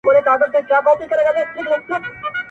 پر زود رنجۍ باندي مي داغ د دوزخونو وهم~